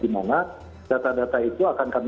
dimana data data itu akan kami